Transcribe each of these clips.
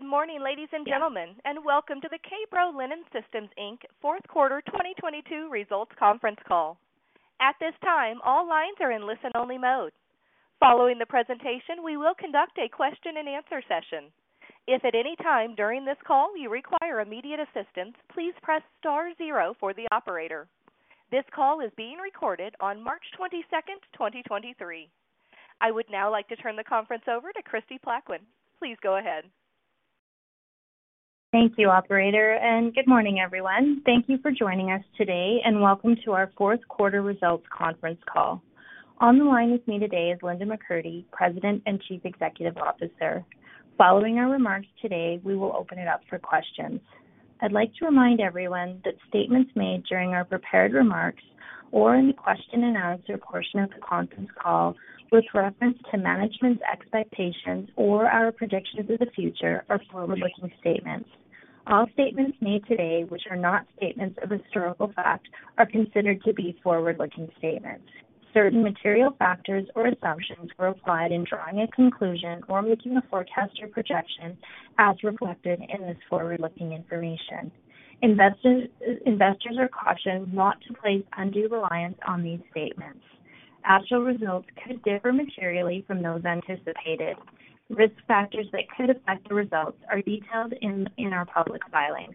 Good morning, ladies and gentlemen, and welcome to the K-Bro Linen Systems Inc. Fourth Quarter 2022 Results Conference Call. At this time, all lines are in listen-only mode. Following the presentation, we will conduct a question-and-answer session. If at any time during this call you require immediate assistance, please press star zero for the operator. This call is being recorded on March 22nd, 2023. I would now like to turn the conference over to Kristy Plaquen. Please go ahead. Thank you, operator. Good morning, everyone. Thank you for joining us today and welcome to our fourth quarter results conference call. On the line with me today is Linda McCurdy, President and Chief Executive Officer. Following our remarks today, we will open it up for questions. I'd like to remind everyone that statements made during our prepared remarks or in the question and answer portion of the conference call with reference to management's expectations or our predictions of the future are forward-looking statements. All statements made today, which are not statements of historical fact, are considered to be forward-looking statements. Certain material factors or assumptions were applied in drawing a conclusion or making a forecast or projection as reflected in this forward-looking information. Investors are cautioned not to place undue reliance on these statements. Actual results could differ materially from those anticipated. Risk factors that could affect the results are detailed in our public filings.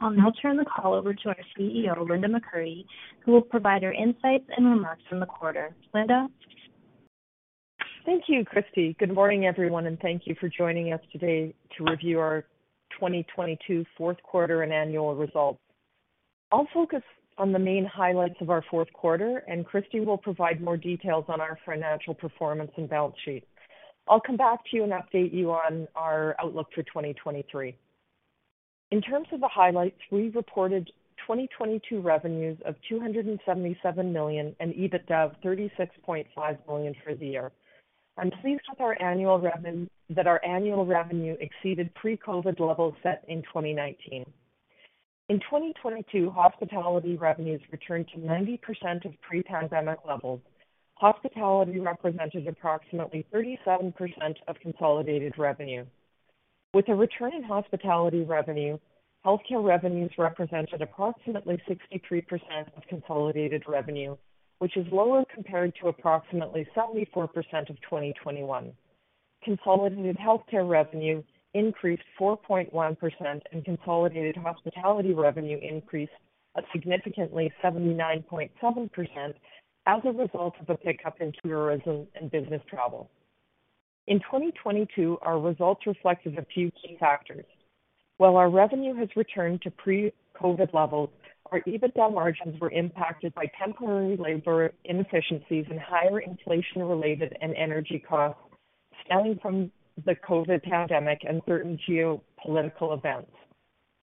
I'll now turn the call over to our CEO, Linda McCurdy, who will provide her insights and remarks from the quarter. Linda. Thank you, Christy. Good morning, everyone. Thank you for joining us today to review our 2022 fourth quarter and annual results. I'll focus on the main highlights of our fourth quarter. Christy will provide more details on our financial performance and balance sheet. I'll come back to you and update you on our outlook for 2023. In terms of the highlights, we reported 2022 revenues of 277 million and EBITDA of 36.5 million for the year. I'm pleased that our annual revenue exceeded pre-COVID levels set in 2019. In 2022, hospitality revenues returned to 90% of pre-pandemic levels. Hospitality represented approximately 37% of consolidated revenue. With a return in hospitality revenue, healthcare revenues represented approximately 63% of consolidated revenue, which is lower compared to approximately 74% of 2021. Consolidated healthcare revenue increased 4.1%, and consolidated hospitality revenue increased a significantly 79.7% as a result of a pickup in tourism and business travel. In 2022, our results reflected a few key factors. While our revenue has returned to pre-COVID levels, our EBITDA margins were impacted by temporary labor inefficiencies and higher inflation-related and energy costs stemming from the COVID pandemic and certain geopolitical events.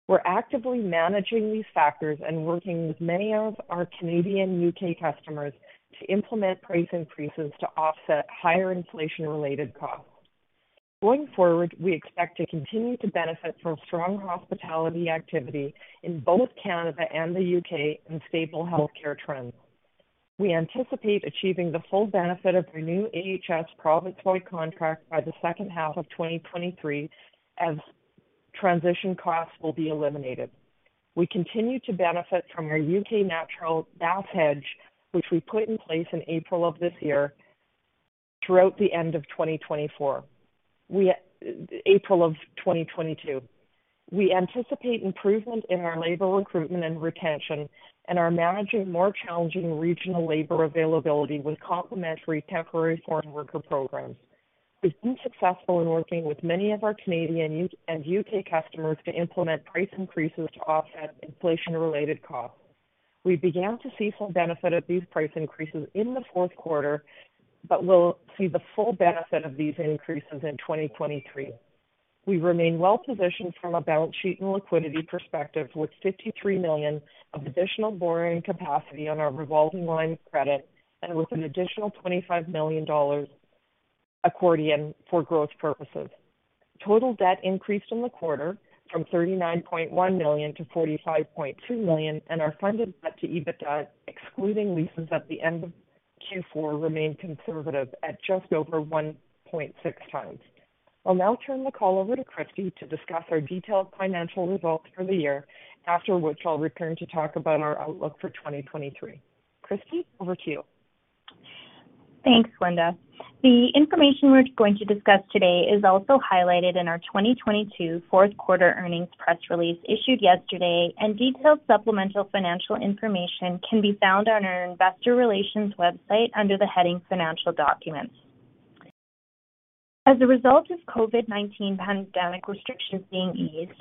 We're actively managing these factors and working with many of our Canadian U.K. customers to implement price increases to offset higher inflation-related costs. Going forward, we expect to continue to benefit from strong hospitality activity in both Canada and the U.K. and stable healthcare trends. We anticipate achieving the full benefit of our new AHS province-wide contract by the second half of 2023 as transition costs will be eliminated. We continue to benefit from our U.K. natural gas hedge, which we put in place in April of 2022 throughout the end of 2024. We anticipate improvement in our labor recruitment and retention and are managing more challenging regional labor availability with complementary Temporary Foreign Worker programs. We've been successful in working with many of our Canadian and U.K. customers to implement price increases to offset inflation-related costs. We began to see some benefit of these price increases in the fourth quarter, but we'll see the full benefit of these increases in 2023. We remain well-positioned from a balance sheet and liquidity perspective, with $53 million of additional borrowing capacity on our revolving line of credit and with an additional $25 million accordion for growth purposes. Total debt increased in the quarter from 39.1 million to 45.2 million, and our Funded Debt to EBITDA, excluding leases at the end of Q4, remained conservative at just over 1.6x. I'll now turn the call over to Christy to discuss our detailed financial results for the year, after which I'll return to talk about our outlook for 2023. Christy, over to you. Thanks, Linda. The information we're going to discuss today is also highlighted in our 2022 fourth quarter earnings press release issued yesterday. Detailed supplemental financial information can be found on our investor relations website under the heading Financial Documents. As a result of COVID-19 pandemic restrictions being eased,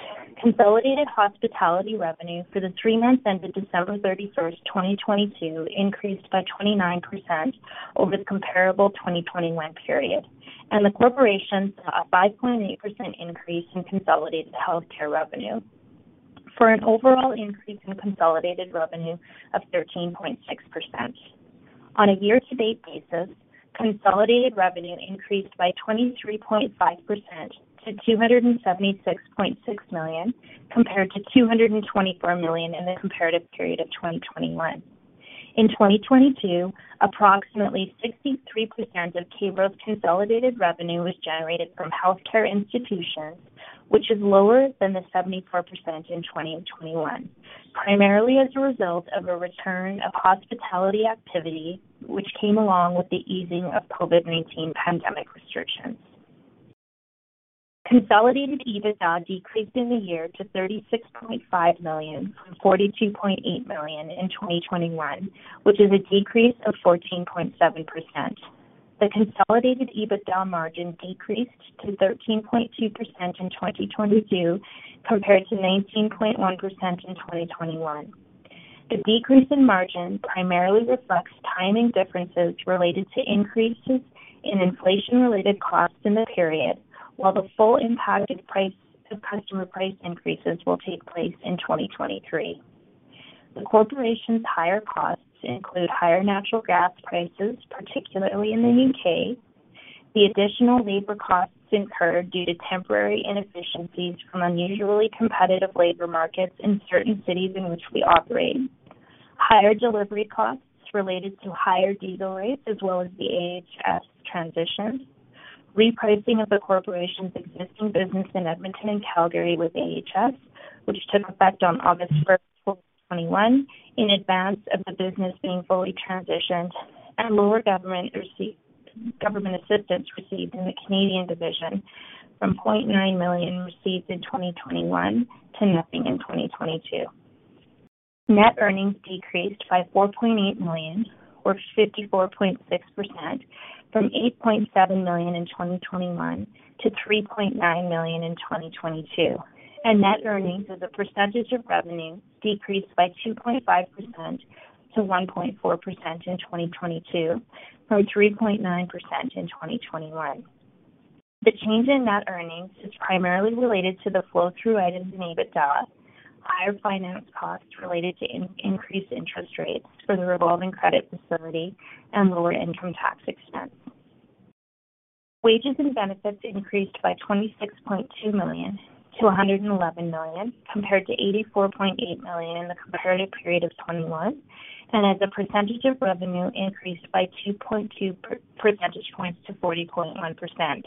consolidated hospitality revenue for the 3 months ended December 31st, 2022 increased by 29% over the comparable 2021 period. The corporation saw a 5.8% increase in consolidated healthcare revenue for an overall increase in consolidated revenue of 13.6%. On a year-to-date basis, consolidated revenue increased by 23.5% to 276.6 million, compared to 224 million in the comparative period of 2021. In 2022, approximately 63% of K-Bro's consolidated revenue was generated from healthcare institutions, which is lower than the 74% in 2021, primarily as a result of a return of hospitality activity, which came along with the easing of COVID-19 pandemic restrictions. Consolidated EBITDA decreased in the year to 36.5 million from 42.8 million in 2021, which is a decrease of 14.7%. The consolidated EBITDA margin decreased to 13.2% in 2022 compared to 19.1% in 2021. The decrease in margin primarily reflects timing differences related to increases in inflation-related costs in the period, while the full impact of customer price increases will take place in 2023. The corporation's higher costs include higher natural gas prices, particularly in the U.K. The additional labor costs incurred due to temporary inefficiencies from unusually competitive labor markets in certain cities in which we operate. Higher delivery costs related to higher diesel rates, as well as the AHS transition. Repricing of the corporation's existing business in Edmonton and Calgary with AHS, which took effect on August 1, 2021, in advance of the business being fully transitioned, and lower government assistance received in the Canadian division from 0.9 million received in 2021 to nothing in 2022. Net earnings decreased by 4.8 million or 54.6% from 8.7 million in 2021 to 3.9 million in 2022. Net earnings as a % of revenue decreased by 2.5% - 1.4% in 2022 from 3.9% in 2021. The change in net earnings is primarily related to the flow through items in EBITDA, higher finance costs related to increased interest rates for the revolving credit facility and lower income tax expense. Wages and benefits increased by 26.2 million to 111 million, compared to 84.8 million in the comparative period of 2021, and as a percentage of revenue increased by 2.2 percentage points to 40.1%.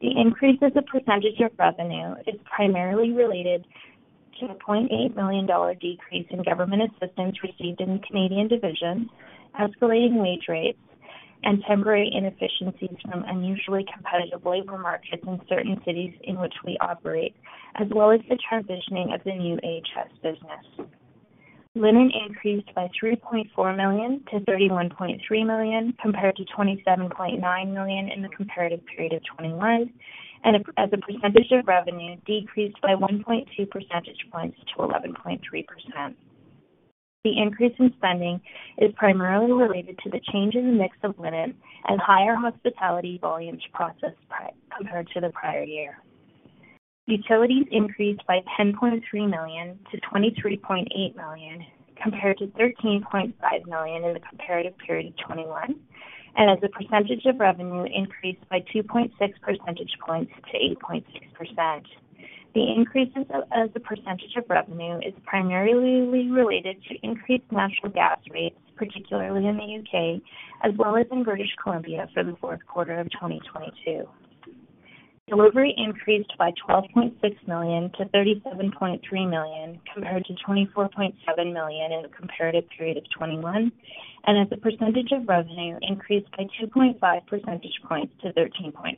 The increase as a % of revenue is primarily related to a 0.8 million dollar decrease in government assistance received in the Canadian division, escalating wage rates and temporary inefficiencies from unusually competitive labor markets in certain cities in which we operate, as well as the transitioning of the new AHS business. Linen increased by 3.4 million to 31.3 million, compared to 27.9 million in the comparative period of 2021, and as a percentage of revenue, decreased by 1.2 percentage points to 11.3%. The increase in spending is primarily related to the change in the mix of linen and higher hospitality volumes processed compared to the prior year. Utilities increased by 10.3 million to 23.8 million, compared to 13.5 million in the comparative period of 2021. As a % of revenue, increased by 2.6 percentage points to 8.6%. The increase as a % of revenue is primarily related to increased natural gas rates, particularly in the U.K. as well as in British Columbia for the fourth quarter of 2022. Delivery increased by 12.6 million to 37.3 million, compared to 24.7 million in the comparative period of 2021. As a percentage of revenue, increased by 2.5 percentage points to 13.5%.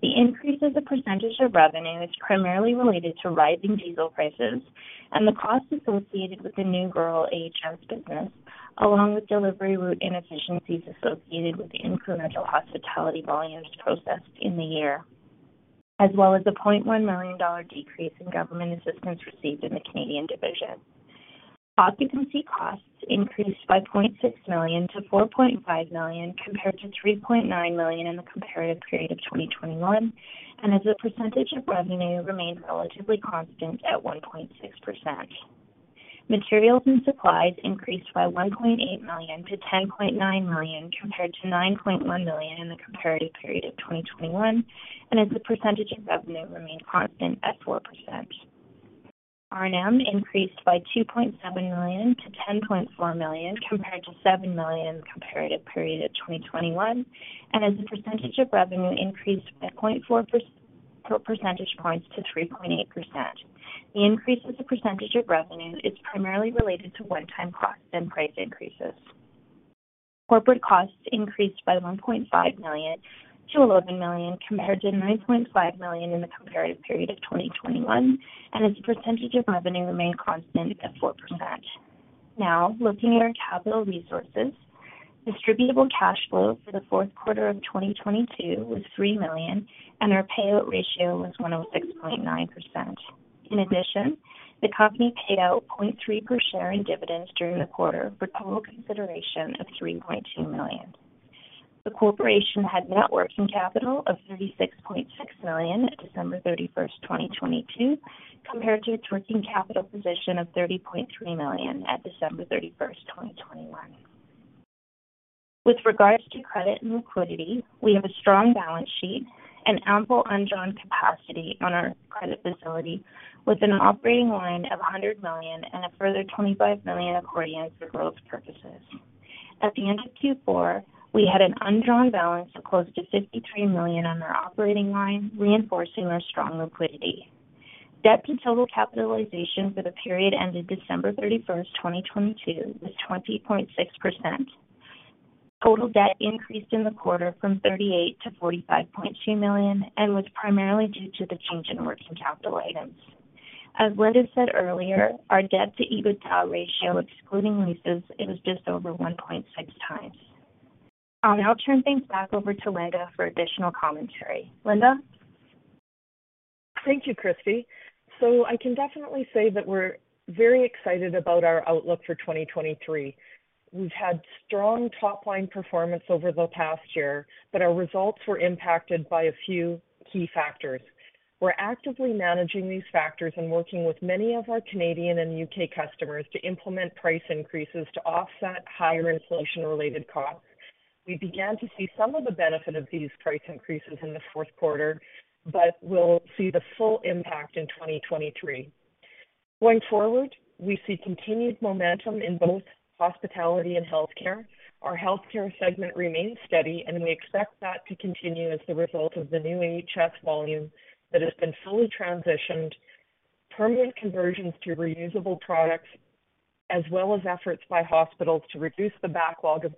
The increase as a % of revenue is primarily related to rising diesel prices and the costs associated with the new rural AHS business, along with delivery route inefficiencies associated with the incremental hospitality volumes processed in the year, as well as a 0.1 million dollar decrease in government assistance received in the Canadian division. Occupancy costs increased by 0.6 million to 4.5 million, compared to 3.9 million in the comparative period of 2021, and as a % of revenue, remained relatively constant at 1.6%. Materials and supplies increased by 1.8 million to 10.9 million, compared to 9.1 million in the comparative period of 2021, and as a % of revenue, remained constant at 4%. R&M increased by 2.7 million to 10.4 million, compared to 7 million in the comparative period of 2021, as a percentage of revenue, increased by 0.4 percentage points to 3.8%. The increase as a % of revenue is primarily related to one-time costs and price increases. Corporate costs increased by 1.5 million to 11 million, compared to 9.5 million in the comparative period of 2021, as a % of revenue, remained constant at 4%. Looking at our capital resources. Distributable cash flow for the fourth quarter of 2022 was 3 million, our payout ratio was 106.9%. The company paid out 0.3 per share in dividends during the quarter for total consideration of 3.2 million. The corporation had net working capital of 36.6 million at December 31, 2022, compared to a working capital position of 30.3 million at December 31, 2021. With regards to credit and liquidity, we have a strong balance sheet and ample undrawn capacity on our credit facility with an operating line of 100 million and a further 25 million accordion for growth purposes. At the end of Q4, we had an undrawn balance of close to 53 million on our operating line, reinforcing our strong liquidity. Debt to total capitalization for the period ended December 31, 2022, was 20.6%. Total debt increased in the quarter from 38 million-45.2 million and was primarily due to the change in working capital items. As Linda said earlier, our debt to EBITDA ratio excluding leases is just over 1.6x. I'll now turn things back over to Linda for additional commentary. Linda. Thank you, Christy. I can definitely say that we're very excited about our outlook for 2023. We've had strong top-line performance over the past year, our results were impacted by a few key factors. We're actively managing these factors and working with many of our Canadian and U.K. customers to implement price increases to offset higher inflation-related costs. We began to see some of the benefit of these price increases in the fourth quarter, we'll see the full impact in 2023. Going forward, we see continued momentum in both hospitality and healthcare. Our healthcare segment remains steady, we expect that to continue as the result of the new AHS volume that has been fully transitioned, permanent conversions to reusable products, as well as efforts by hospitals to reduce the backlog of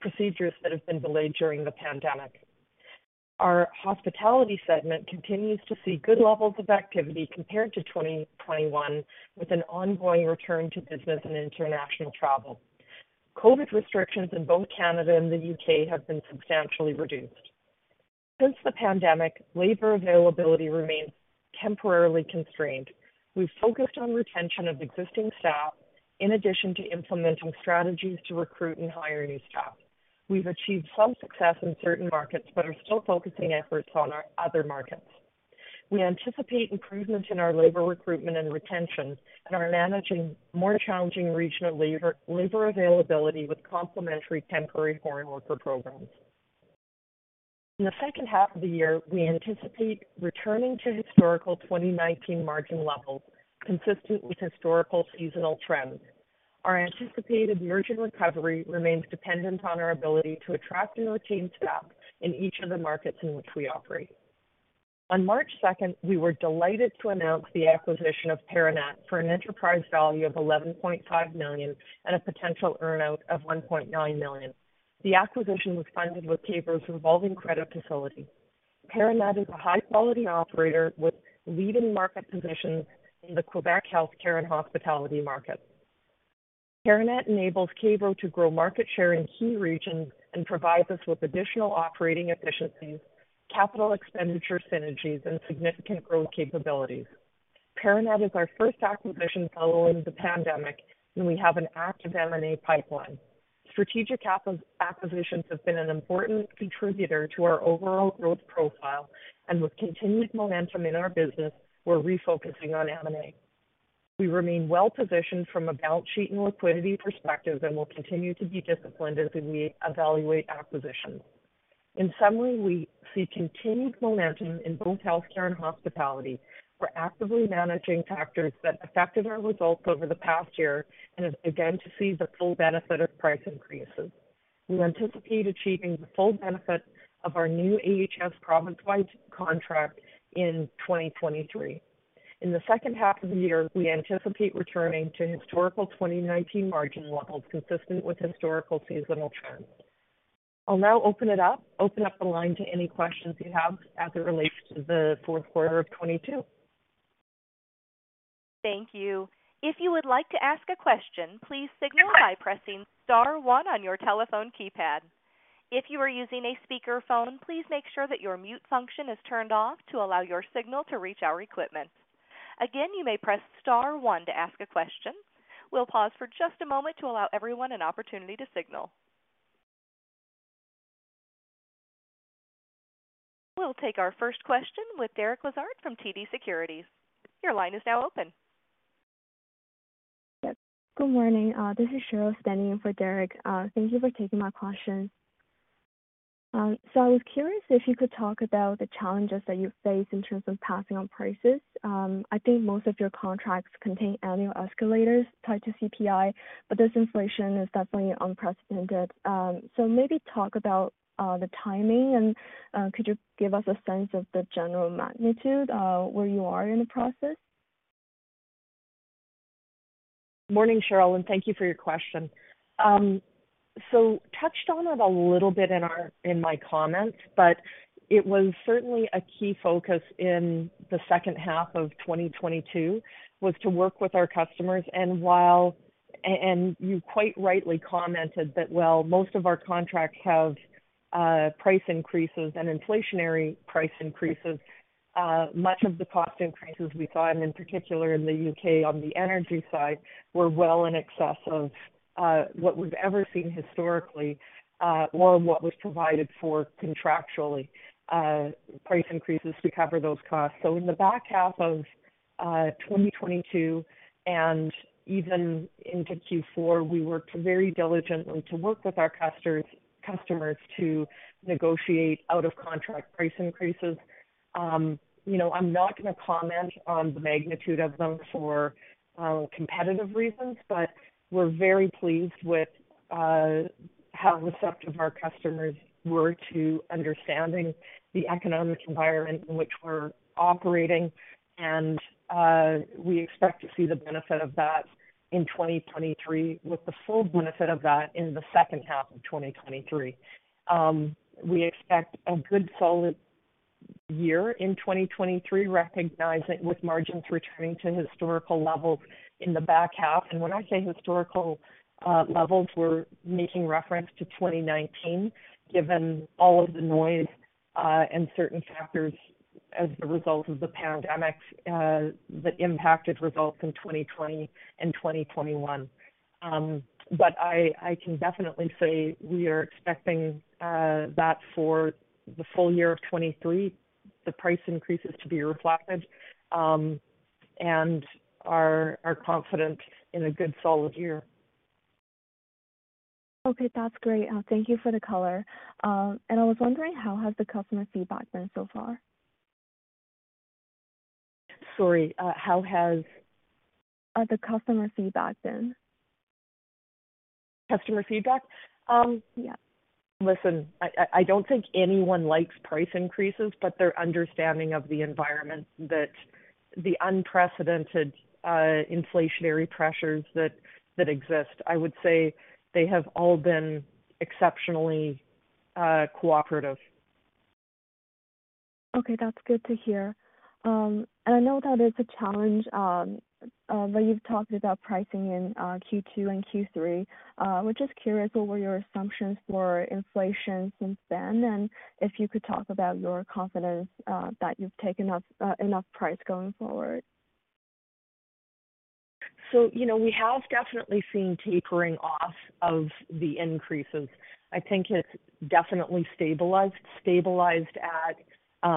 procedures that have been delayed during the pandemic. Our hospitality segment continues to see good levels of activity compared to 2021, with an ongoing return to business and international travel. COVID restrictions in both Canada and the U.K. have been substantially reduced. Since the pandemic, labor availability remains temporarily constrained. We've focused on retention of existing staff in addition to implementing strategies to recruit and hire new staff. We've achieved some success in certain markets, but are still focusing efforts on our other markets. We anticipate improvements in our labor recruitment and retention and are managing more challenging regional labor availability with complementary Temporary Foreign Worker programs. In the second half of the year, we anticipate returning to historical 2019 margin levels consistent with historical seasonal trends. Our anticipated margin recovery remains dependent on our ability to attract and retain staff in each of the markets in which we operate. On March second, we were delighted to announce the acquisition of Paranet for an enterprise value of 11.5 million and a potential earn-out of 1.9 million. The acquisition was funded with K-Bro's revolving credit facility. Paranet is a high-quality operator with leading market positions in the Quebec healthcare and hospitality market. Paranet enables K-Bro to grow market share in key regions and provides us with additional operating efficiencies, capital expenditure synergies, and significant growth capabilities. Paranet is our first acquisition following the pandemic, and we have an active M&A pipeline. Strategic acquisitions have been an important contributor to our overall growth profile, and with continued momentum in our business, we're refocusing on M&A. We remain well positioned from a balance sheet and liquidity perspective and will continue to be disciplined as we evaluate acquisitions. In summary, we see continued momentum in both healthcare and hospitality. We're actively managing factors that affected our results over the past year and again to see the full benefit of price increases. We anticipate achieving the full benefit of our new AHS province-wide contract in 2023. In the second half of the year, we anticipate returning to historical 2019 margin levels consistent with historical seasonal trends. I'll now open up the line to any questions you have as it relates to the fourth quarter of 2022. Thank you. If you would like to ask a question, please signal by pressing star one on your telephone keypad. If you are using a speakerphone, please make sure that your mute function is turned off to allow your signal to reach our equipment. Again, you may press star one to ask a question. We'll pause for just a moment to allow everyone an opportunity to signal. We'll take our first question with Derek Lessard from TD Securities. Your line is now open. Good morning. This is Cheryl standing in for Derek. Thank you for taking my question. I was curious if you could talk about the challenges that you face in terms of passing on prices. I think most of your contracts contain annual escalators tied to CPI, but this inflation is definitely unprecedented. Maybe talk about the timing and could you give us a sense of the general magnitude where you are in the process? Morning, Cheryl, thank you for your question. Touched on it a little bit in our, in my comments, but it was certainly a key focus in the second half of 2022, was to work with our customers. You quite rightly commented that while most of our contracts have price increases and inflationary price increases, much of the cost increases we saw, and in particular in the U.K. on the energy side, were well in excess of what we've ever seen historically, or what was provided for contractually, price increases to cover those costs. In the back half of 2022 and even into Q4, we worked very diligently to work with our customers to negotiate out of contract price increases. you know, I'm not gonna comment on the magnitude of them for competitive reasons, but we're very pleased with how receptive our customers were to understanding the economic environment in which we're operating. We expect to see the benefit of that in 2023, with the full benefit of that in the second half of 2023. We expect a good solid year in 2023, recognizing with margins returning to historical levels in the back half. When I say historical levels, we're making reference to 2019, given all of the noise and certain factors as the result of the pandemic that impacted results in 2020 and 2021. I can definitely say we are expecting, that for the full year of 23, the price increases to be reflected, and are confident in a good solid year. Okay, that's great. Thank you for the color. I was wondering how has the customer feedback been so far? Sorry, how has? The customer feedback been? Customer feedback? Yeah. Listen, I don't think anyone likes price increases, but their understanding of the environment that the unprecedented inflationary pressures that exist, I would say they have all been exceptionally cooperative. Okay. That's good to hear. I know that it's a challenge, but you've talked about pricing in Q2 and Q3. We're just curious, what were your assumptions for inflation since then? If you could talk about your confidence, that you've taken up enough price going forward. You know, we have definitely seen tapering off of the increases. I think it's definitely stabilized at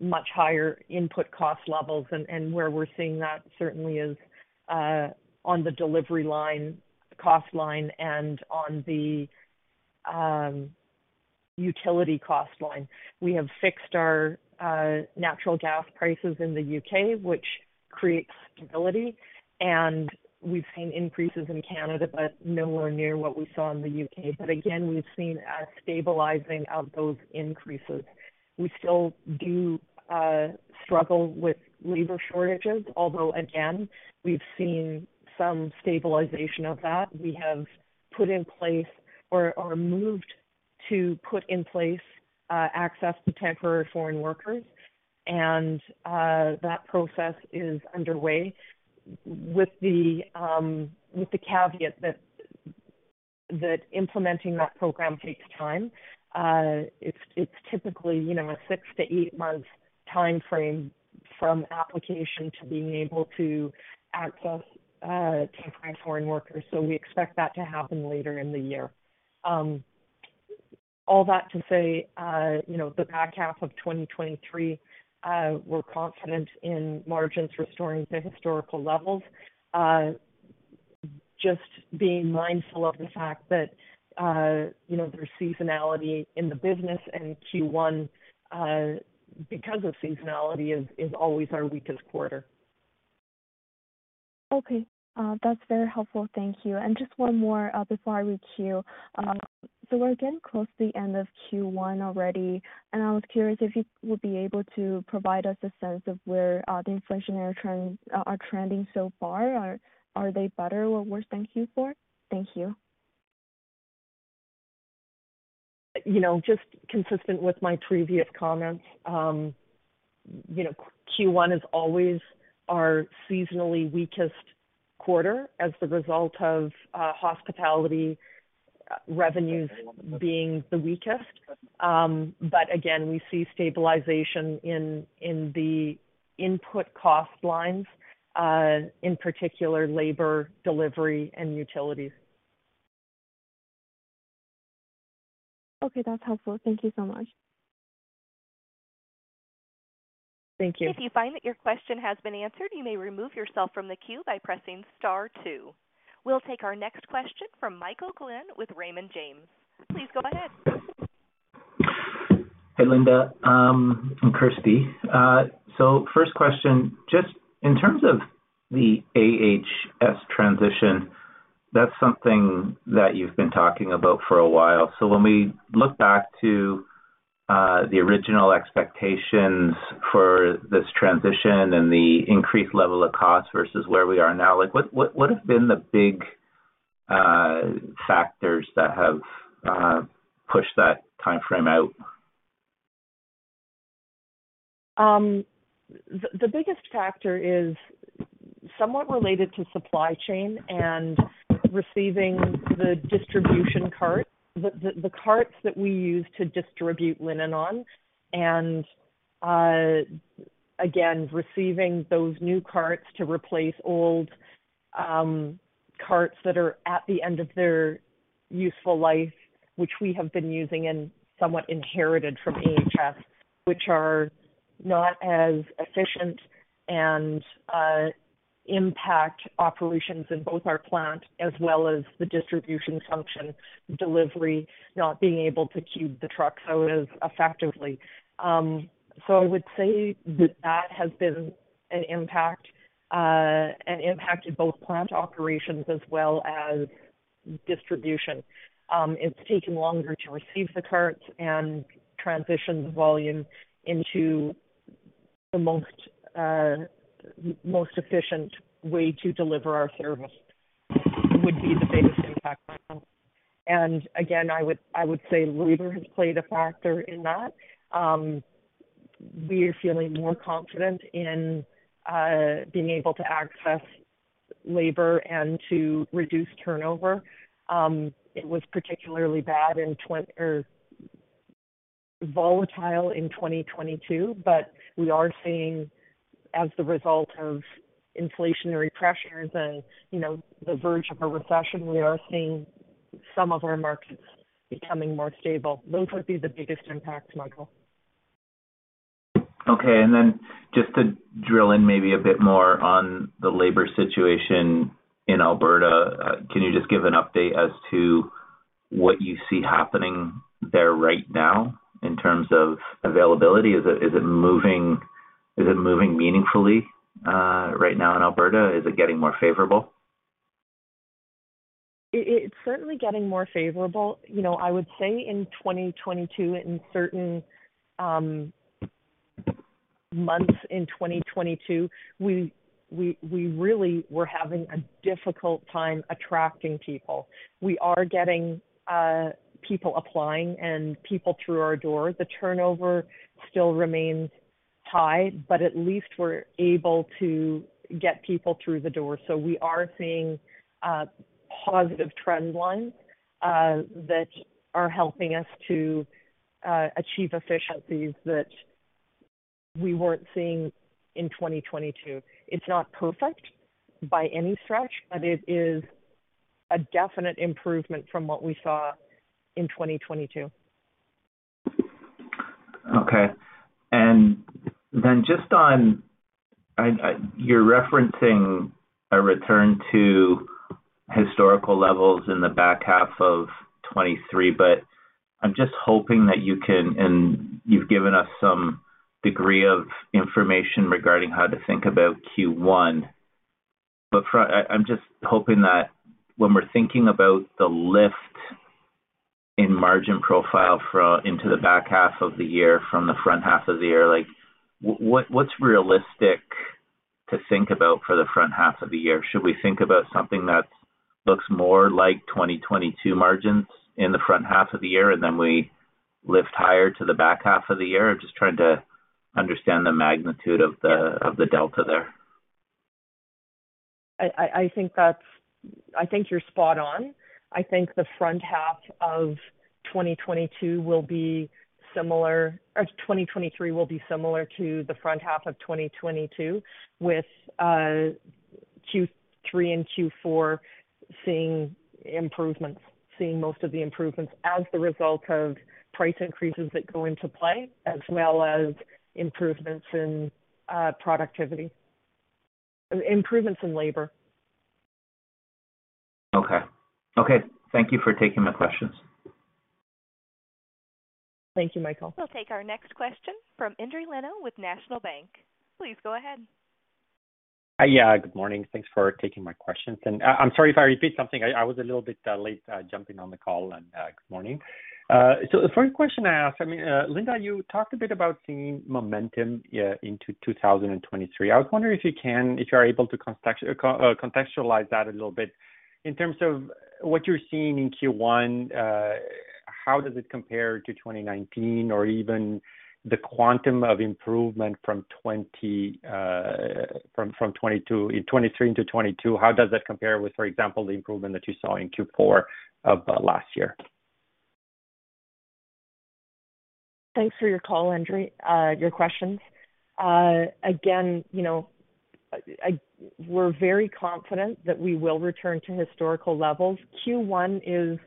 much higher input cost levels. Where we're seeing that certainly is on the delivery line, cost line, and on the utility cost line. We have fixed our natural gas prices in the U.K., which creates stability, and we've seen increases in Canada, but nowhere near what we saw in the U.K. Again, we've seen a stabilizing of those increases. We still do struggle with labor shortages, although again, we've seen some stabilization of that. We have put in place or moved to put in place access to Temporary Foreign Workers. That process is underway with the caveat that implementing that program takes time. It's, it's typically, you know, a 6-8 month timeframe from application to being able to access Temporary Foreign Workers. We expect that to happen later in the year. All that to say, you know, the back half of 2023, we're confident in margins restoring to historical levels. Just being mindful of the fact that, you know, there's seasonality in the business and Q1, because of seasonality is always our weakest quarter. Okay. That's very helpful. Thank you. Just one more, before I queue. We're getting close to the end of Q1 already, and I was curious if you would be able to provide us a sense of where the inflationary trends are trending so far. Are they better or worse than Q4? Thank you. You know, just consistent with my previous comments, you know, Q1 is always our seasonally weakest quarter as the result of hospitality revenues being the weakest. Again, we see stabilization in the input cost lines, in particular labor, delivery, and utilities. Okay. That's helpful. Thank you so much. Thank you. If you find that your question has been answered, you may remove yourself from the queue by pressing star two. We'll take our next question from Michael Glen with Raymond James. Please go ahead. Hey, Linda, and Kristy. First question, just in terms of the AHS transition, that's something that you've been talking about for a while. When we look back to the original expectations for this transition and the increased level of cost versus where we are now, like what have been the big factors that have pushed that timeframe out? The biggest factor is somewhat related to supply chain and receiving the distribution cart, the carts that we use to distribute linen on, again, receiving those new carts to replace old carts that are at the end of their useful life, which we have been using and somewhat inherited from AHS, which are not as efficient and impact operations in both our plant as well as the distribution function, delivery, not being able to cube the trucks out as effectively. I would say that that has been an impact and impacted both plant operations as well as distribution. It's taken longer to receive the carts and transition the volume into the most efficient way to deliver our service would be the biggest impact. Again, I would say labor has played a factor in that. We are feeling more confident in being able to access labor and to reduce turnover. It was particularly bad in or volatile in 2022. We are seeing, as the result of inflationary pressures and, you know, the verge of a recession, we are seeing some of our markets becoming more stable. Those would be the biggest impacts, Michael. Okay. Then just to drill in maybe a bit more on the labor situation in Alberta, can you just give an update as to what you see happening there right now in terms of availability? Is it moving meaningfully, right now in Alberta? Is it getting more favorable? It's certainly getting more favorable. You know, I would say in 2022, in certain months in 2022, we really were having a difficult time attracting people. We are getting people applying and people through our door. The turnover still remains high, but at least we're able to get people through the door. We are seeing positive trend lines that are helping us to achieve efficiencies that we weren't seeing in 2022. It's not perfect by any trestch, but it is a definite improvement from what we saw in 2022. Okay. You're referencing a return to historical levels in the back half of 2023, but I'm just hoping that you can, and you've given us some degree of information regarding how to think about Q1. I'm just hoping that when we're thinking about the lift in margin profile into the back half of the year from the front half of the year, like, what's realistic to think about for the front half of the year? Should we think about something that looks more like 2022 margins in the front half of the year, and then we lift higher to the back half of the year? I'm just trying to understand the magnitude of the delta there. I think that's. I think you're spot on. I think the front half of 2022 will be similar. 2023 will be similar to the front half of 2022, with Q3 and Q4 seeing improvements, seeing most of the improvements as the result of price increases that go into play, as well as improvements in productivity. Improvements in labor. Okay. Okay, thank you for taking my questions. Thank you, Michael. We'll take our next question from Endri Leno with National Bank. Please go ahead. Yeah, good morning. Thanks for taking my questions. I'm sorry if I repeat something. I was a little bit late jumping on the call and good morning. The first question I ask, I mean, Linda, you talked a bit about seeing momentum into 2023. I was wondering if you are able to contextualize that a little bit. In terms of what you're seeing in Q1, how does it compare to 2019 or even the quantum of improvement from 2023 into 2022, how does that compare with, for example, the improvement that you saw in Q4 of last year? Thanks for your call, Endri, your questions. Again, you know, we're very confident that we will return to historical levels. Q1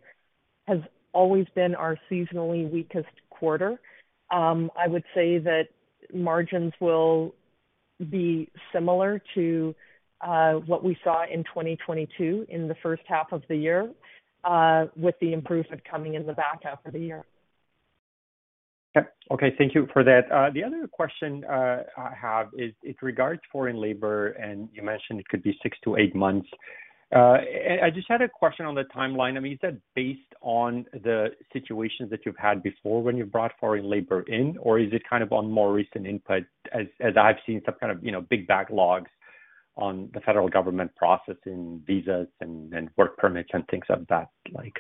has always been our seasonally weakest quarter. I would say that margins will be similar to what we saw in 2022 in the first half of the year, with the improvement coming in the back half of the year. Okay. Thank you for that. The other question, I have is it regards foreign labor, and you mentioned it could be 6 to 8 months. I just had a question on the timeline. I mean, is that based on the situations that you've had before when you've brought foreign labor in, or is it kind of on more recent input? As I've seen some kind of, you know, big backlogs on the federal government processing visas and work permits and things of that like.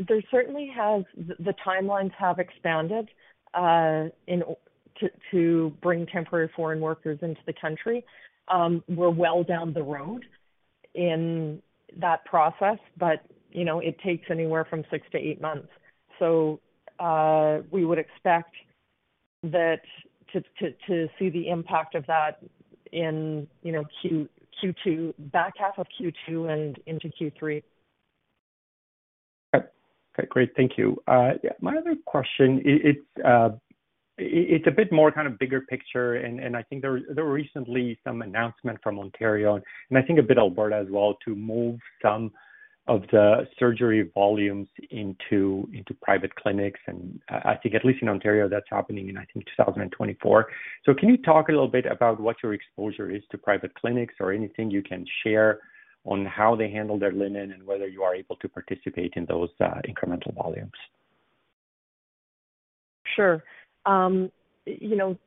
The timelines have expanded to bring Temporary Foreign Workers into the country. We're well down the road in that process, but, you know, it takes anywhere from 6 to 8 months. We would expect that to see the impact of that in, you know, Q2, back half of Q2 and into Q3. Okay, great. Thank you. My other question, it's a bit more kind of bigger picture, and I think there were recently some announcement from Ontario, and I think a bit Alberta as well, to move some of the surgery volumes into private clinics. I think at least in Ontario, that's happening in, I think, 2024. Can you talk a little bit about what your exposure is to private clinics or anything you can share on how they handle their linen and whether you are able to participate in those incremental volumes? Sure. You know,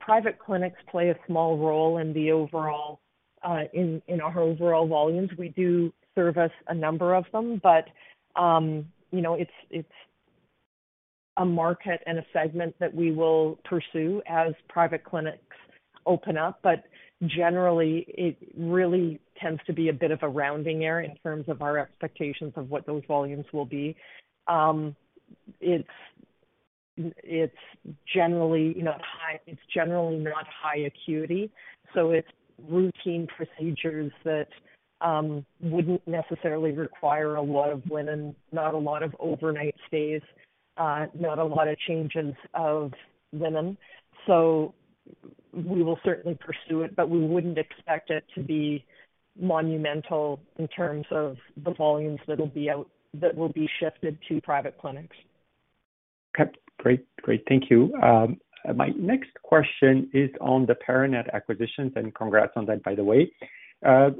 private clinics play a small role in the overall, in our overall volumes. We do service a number of them, but, you know, it's a market and a segment that we will pursue as private clinics open up. Generally, it really tends to be a bit of a rounding error in terms of our expectations of what those volumes will be. It's, it's generally, you know, it's generally not high acuity, so it's routine procedures that wouldn't necessarily require a lot of linen, not a lot of overnight stays, not a lot of changes of linen. We will certainly pursue it, but we wouldn't expect it to be monumental in terms of the volumes that'll be out, that will be shifted to private clinics. Okay. Great. Great. Thank you. My next question is on the Paranet acquisitions, and congrats on that, by the way.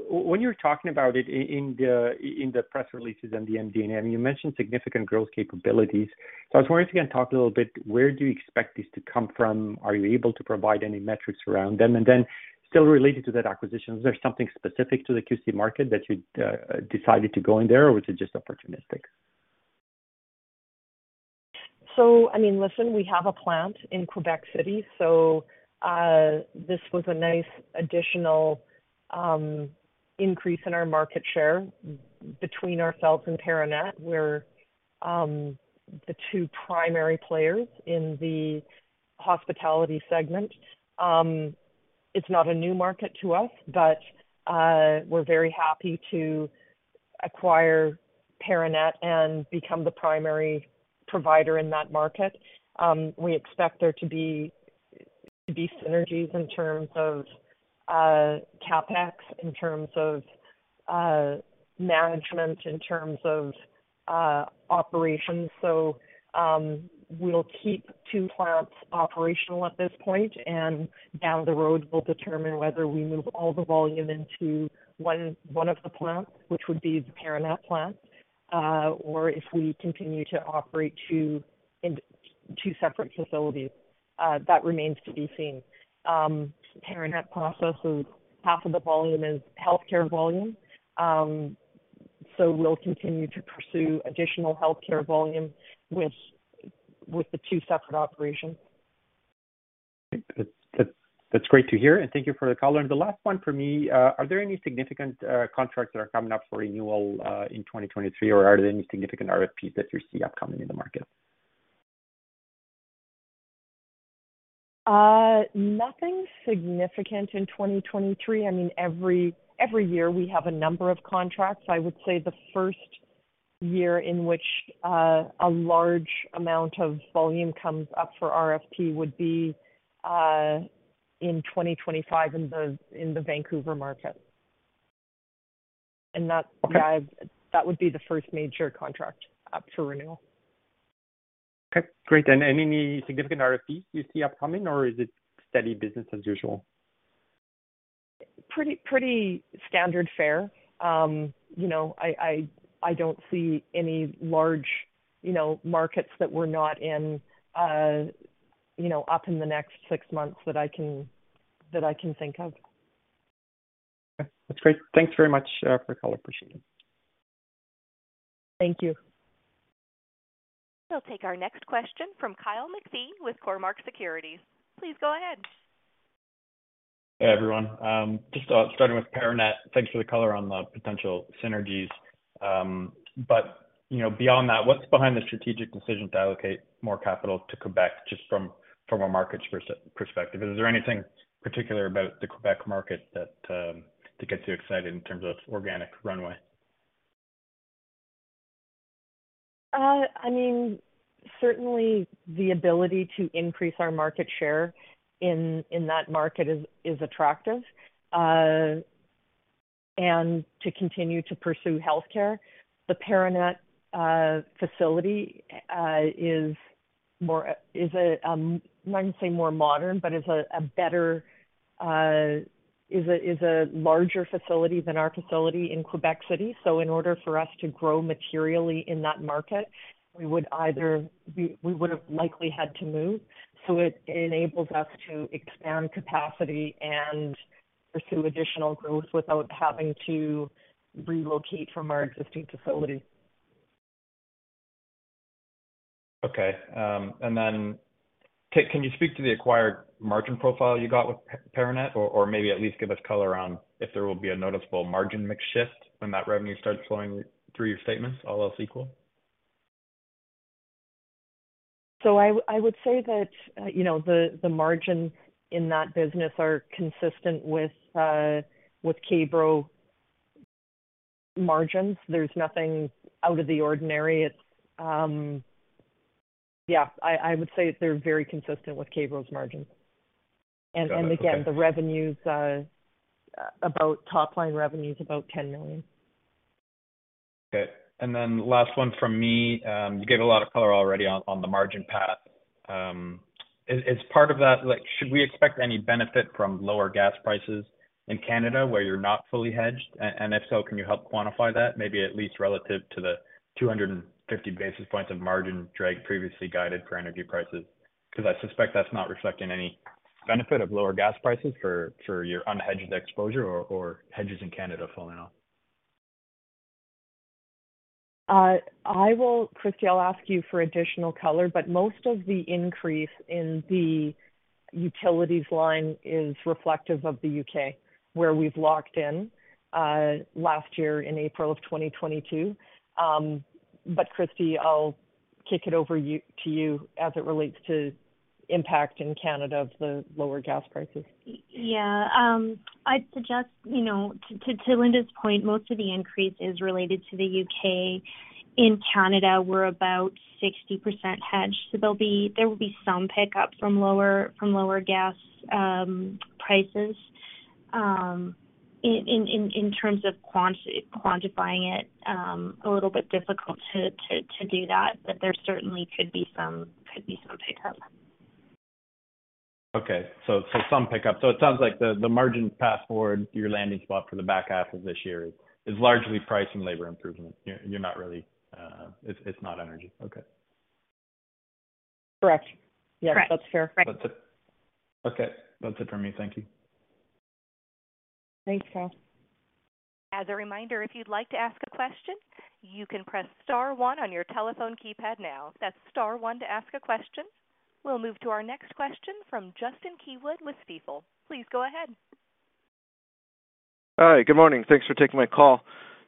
When you're talking about it in the press releases and the MD&A, you mentioned significant growth capabilities. I was wondering if you can talk a little bit, where do you expect these to come from? Are you able to provide any metrics around them? Still related to that acquisition, is there something specific to the QC market that you decided to go in there, or was it just opportunistic? I mean, listen, we have a plant in Quebec City, this was a nice additional increase in our market share between ourselves and Paranet. We're the two primary players in the hospitality segment. It's not a new market to us, but we're very happy to acquire Paranet and become the primary provider in that market. We expect there to be synergies in terms of CapEx, in terms of management, in terms of operations. We'll keep two plants operational at this point, and down the road, we'll determine whether we move all the volume into one of the plants, which would be the Paranet plant, or if we continue to operate two separate facilities. That remains to be seen. Paranet processes half of the volume is healthcare volume, we'll continue to pursue additional healthcare volume with the two separate operations. That's great to hear, and thank you for the color. The last one for me, are there any significant contracts that are coming up for renewal in 2023, or are there any significant RFPs that you see upcoming in the market? Nothing significant in 2023. I mean, every year we have a number of contracts. I would say the first year in which a large amount of volume comes up for RFP would be in 2025 in the Vancouver market. Okay. That would be the first major contract up for renewal. Okay, great. Any significant RFPs you see upcoming, or is it steady business as usual? Pretty standard fare. You know, I don't see any large, you know, markets that we're not in, you know, up in the next six months that I can think of. Okay. That's great. Thanks very much for the call. Appreciate it. Thank you. We'll take our next question from Kyle McPhee with Cormark Securities. Please go ahead. Hey, everyone. Just starting with Paranet, thanks for the color on the potential synergies. You know, beyond that, what's behind the strategic decision to allocate more capital to Quebec, just from a market perspective? Is there anything particular about the Quebec market that gets you excited in terms of organic runway? I mean, certainly the ability to increase our market share in that market is attractive, and to continue to pursue healthcare. The Paranet facility is more is a, I wouldn't say more modern, but is a better larger facility than our facility in Quebec City. In order for us to grow materially in that market, we would have likely had to move. It enables us to expand capacity and pursue additional growth without having to relocate from our existing facility. Okay. Then, can you speak to the acquired margin profile you got with Paranet? Or maybe at least give us color around if there will be a noticeable margin mix shift when that revenue starts flowing through your statements, all else equal? I would say that, you know, the margin in that business are consistent with K-Bro margins. There's nothing out of the ordinary. Yeah, I would say they're very consistent with K-Bro's margins. Got it. Okay. Again, the revenues, about top line revenue is about 10 million. Okay. Last one from me. You gave a lot of color already on the margin path. Is part of that, like should we expect any benefit from lower gas prices in Canada where you're not fully hedged? If so, can you help quantify that maybe at least relative to the 250 basis points of margin drag previously guided for energy prices? I suspect that's not reflecting any benefit of lower gas prices for your unhedged exposure or hedges in Canada falling off. Christy, I'll ask you for additional color. Most of the increase in the utilities line is reflective of the U.K., where we've locked in last year in April of 2022. Christy, I'll kick it over to you as it relates to impact in Canada of the lower gas prices. Yeah. I'd suggest, you know, to Linda's point, most of the increase is related to the U.K. In Canada, we're about 60% hedged, so there will be some pickup from lower gas prices. In terms of quantifying it, a little bit difficult to do that, but there certainly could be some pickup. Okay. Some pickup. It sounds like the margin path forward, your landing spot for the back half of this year is largely price and labor improvement. You're not really... It's not energy. Okay. Correct. Correct. Yes, that's fair. Correct. That's it. Okay, that's it from me. Thank you. Thanks, Kyle. As a reminder, if you'd like to ask a question, you can press star one on your telephone keypad now. That's star one to ask a question. We'll move to our next question from Justin Keywood with Stifel. Please go ahead. Hi. Good morning. Thanks for taking my call.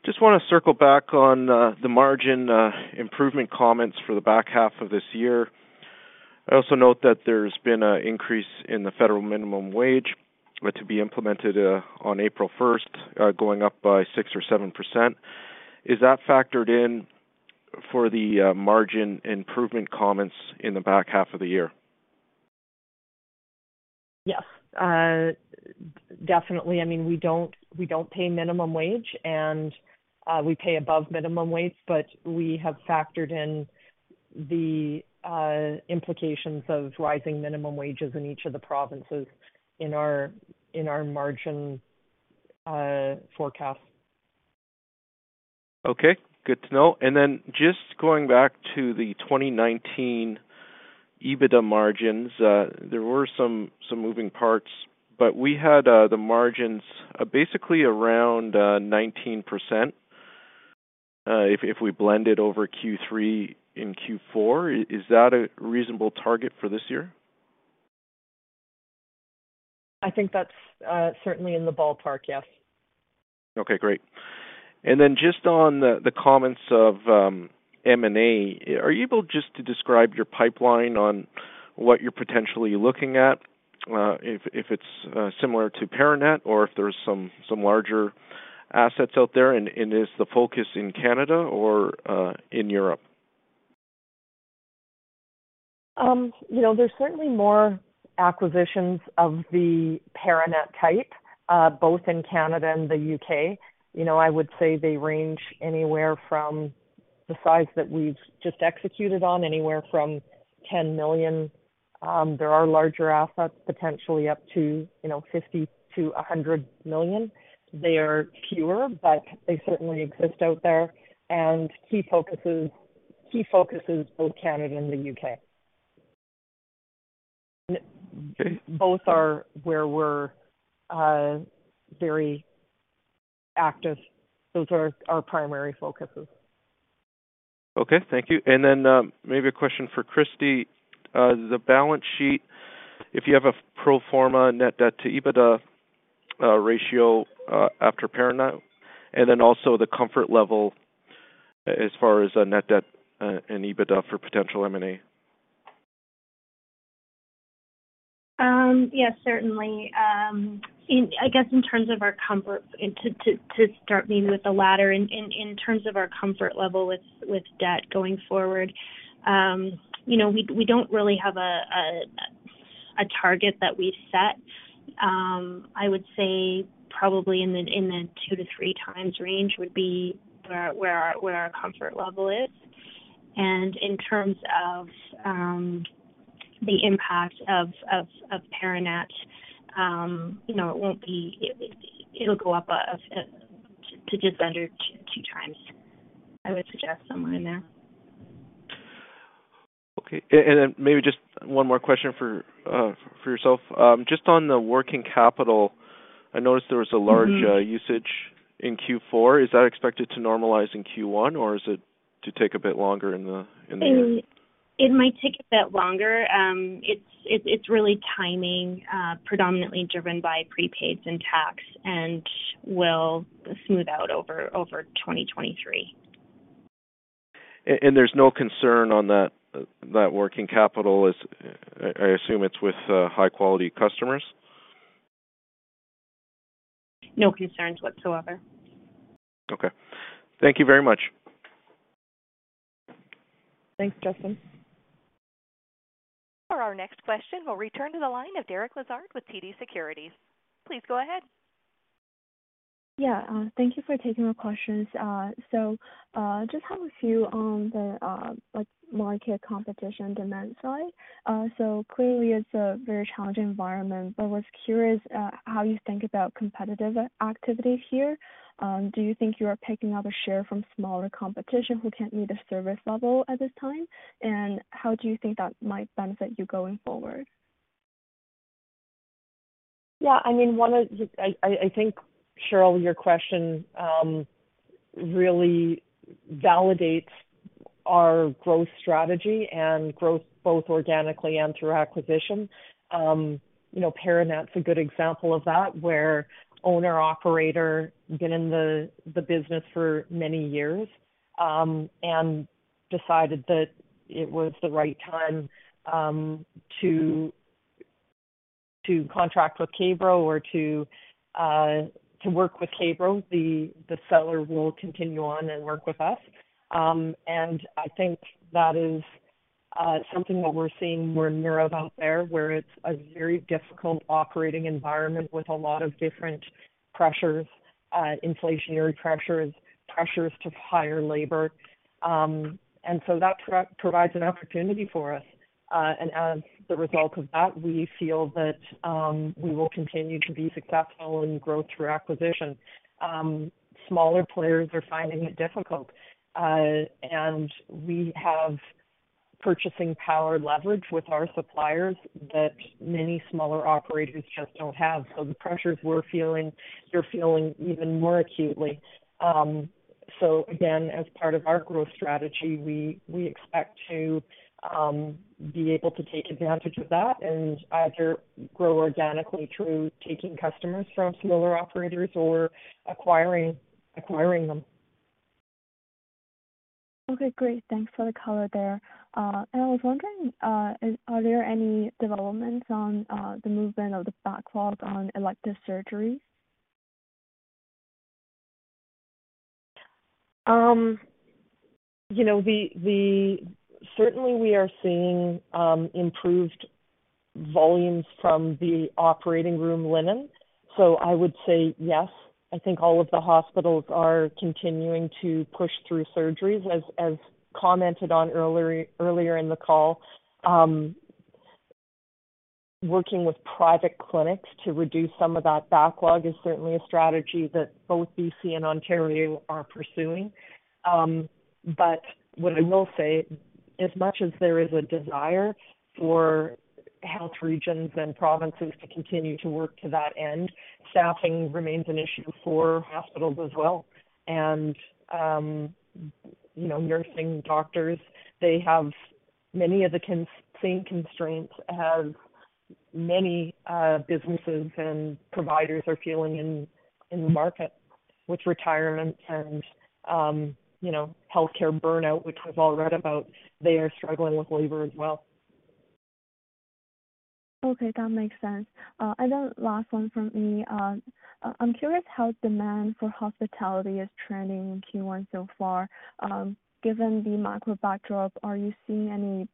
Just wanna circle back on the margin improvement comments for the back half of this year. I also note that there's been a increase in the federal minimum wage to be implemented on April first, going up by 6% or 7%. Is that factored in for the margin improvement comments in the back half of the year? Yes. definitely. I mean, we don't, we don't pay minimum wage and, we pay above minimum wage, but we have factored in the implications of rising minimum wages in each of the provinces in our margin, forecast. Good to know. Just going back to the 2019 EBITDA margins, there were some moving parts, but we had the margins basically around 19%, if we blend it over Q3 and Q4. Is that a reasonable target for this year? I think that's certainly in the ballpark, yes. Okay, great. Just on the comments of M&A, are you able just to describe your pipeline on what you're potentially looking at, if it's similar to Paranet or if there's some larger assets out there? Is the focus in Canada or in Europe? You know, there's certainly more acquisitions of the Paranet type, both in Canada and the UK. You know, I would say they range anywhere from the size that we've just executed on, anywhere from 10 million. There are larger assets, potentially up to, you know, 50 million-100 million. They are fewer, but they certainly exist out there. Key focuses, both Canada and the UK. Both are where we're very active. Those are our primary focuses. Okay. Thank you. Maybe a question for Christy. The balance sheet, if you have a pro forma net debt to EBITDA ratio after Paranet, and then also the comfort level as far as net debt and EBITDA for potential M&A? Yes, certainly. I guess in terms of our comfort, and to start maybe with the latter in terms of our comfort level with debt going forward, you know, we don't really have a target that we've set. I would say probably in the 2-3 times range would be where our comfort level is. In terms of the impact of Paranet, you know, it won't be... It'll go up to just under 2 times. I would suggest somewhere in there. Okay. Maybe just one more question for yourself. Just on the working capital, I noticed there was a. Mm-hmm. Usage in Q4. Is that expected to normalize in Q1, or is it to take a bit longer in the? It might take a bit longer. It's really timing, predominantly driven by prepaids and tax and will smooth out over 2023. There's no concern on that working capital I assume it's with high quality customers? No concerns whatsoever. Okay. Thank you very much. Thanks, Justin. For our next question, we'll return to the line of Derek Lessard with TD Securities. Please go ahead. Yeah, thank you for taking my questions. Just have a few on the, like, market competition demand side. Clearly it's a very challenging environment, but was curious how you think about competitive activities here. Do you think you are picking up a share from smaller competition who can't meet the service level at this time? How do you think that might benefit you going forward? Yeah, I mean, one of the I think, Cheryl, your question really validates our growth strategy and growth both organically and through acquisition. You know, Paranet's a good example of that, where owner, operator, been in the business for many years, and decided that it was the right time to contract with K-Bro or to work with K-Bro. The seller will continue on and work with us. I think that is something that we're seeing more and more of out there, where it's a very difficult operating environment with a lot of different pressures, inflationary pressures to hire labor. That provides an opportunity for us. As the result of that, we feel that we will continue to be successful and grow through acquisition. Smaller players are finding it difficult, and we have purchasing power leverage with our suppliers that many smaller operators just don't have. The pressures we're feeling, they're feeling even more acutely. Again, as part of our growth strategy, we expect to be able to take advantage of that and either grow organically through taking customers from smaller operators or acquiring them. Okay, great. Thanks for the color there. I was wondering, are there any developments on the movement of the backlogs on elective surgeries? You know, we are certainly seeing improved volumes from the operating room linen. I would say yes. I think all of the hospitals are continuing to push through surgeries. As commented on earlier in the call, working with private clinics to reduce some of that backlog is certainly a strategy that both BC and Ontario are pursuing. What I will say, as much as there is a desire for health regions and provinces to continue to work to that end, staffing remains an issue for hospitals as well. You know, nursing, doctors, they have many of the same constraints as many businesses and providers are feeling in the market with retirements and, you know, healthcare burnout, which we've all read about. They are struggling with labor as well. Okay, that makes sense. Last one from me. I'm curious how demand for hospitality is trending in Q1 so far, given the macro backdrop. Are you seeing any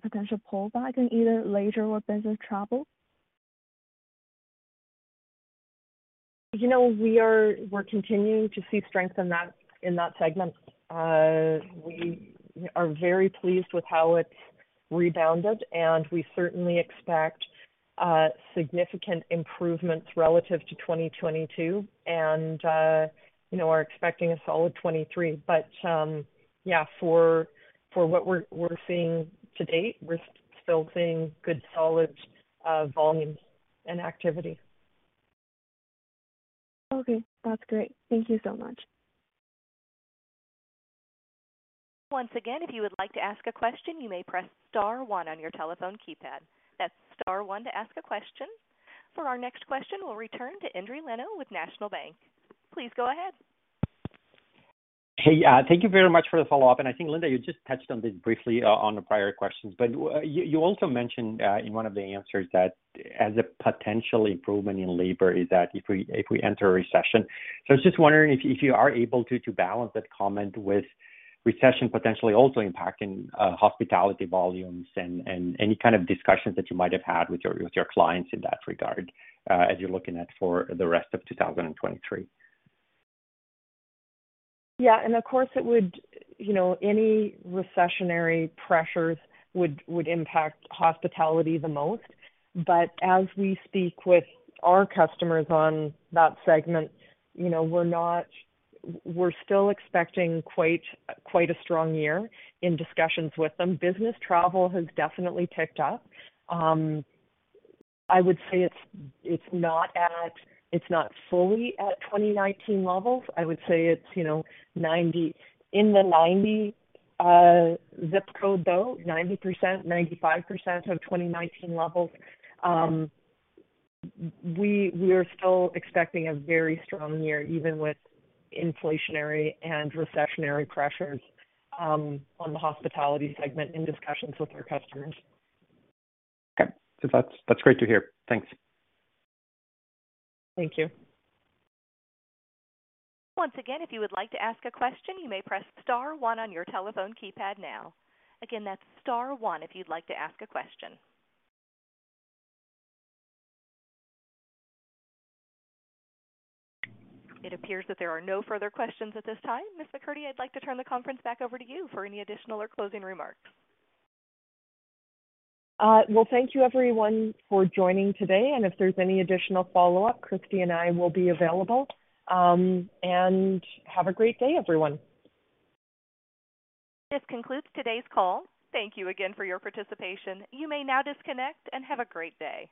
potential pullback in either leisure or business travel? You know, we're continuing to see strength in that, in that segment. We are very pleased with how it's rebounded, and we certainly expect significant improvements relative to 2022. You know, are expecting a solid 2023. Yeah, for what we're seeing to date, we're still seeing good, solid volumes and activity. Okay. That's great. Thank you so much. Once again, if you would like to ask a question, you may press star one on your telephone keypad. That's star one to ask a question. For our next question, we'll return to Endri Leno with National Bank. Please go ahead. Thank you very much for the follow-up. I think, Linda, you just touched on this briefly on the prior questions, but you also mentioned in one of the answers that as a potential improvement in labor is that if we enter a recession. I was just wondering if you are able to balance that comment with recession potentially also impacting hospitality volumes and any kind of discussions that you might have had with your clients in that regard, as you're looking at for the rest of 2023. You know, any recessionary pressures would impact hospitality the most. As we speak with our customers on that segment, you know, we're still expecting quite a strong year in discussions with them. Business travel has definitely ticked up. I would say it's not at, it's not fully at 2019 levels. I would say it's, you know, in the 90 zip code, though, 90%-95% of 2019 levels. We are still expecting a very strong year, even with inflationary and recessionary pressures, on the hospitality segment in discussions with our customers. Okay. That's great to hear. Thanks. Thank you. Once again, if you would like to ask a question, you may press star one on your telephone keypad now. Again, that's star one if you'd like to ask a question. It appears that there are no further questions at this time. Ms. McCurdy, I'd like to turn the conference back over to you for any additional or closing remarks. Well, thank you everyone for joining today. If there's any additional follow-up, Christy and I will be available. Have a great day, everyone. This concludes today's call. Thank you again for your participation. You may now disconnect and have a great day.